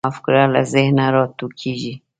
هره مفکوره له ذهنه راټوکېږي.